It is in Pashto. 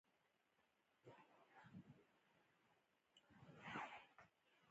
افغانستان په بامیان غني دی.